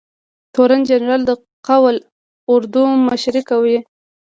تورن جنرال د قول اردو مشري کوي